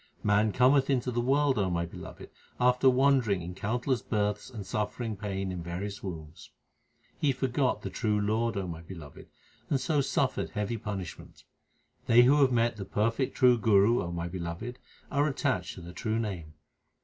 Man cometh into the world, O my Beloved, after wandering in countless births and suffering pain in various wombs. He forgot the true Lord, O my Beloved, and so suffered heavy punishment. They who have met the perfect true Guru, O my Beloved, are attached to the true Name.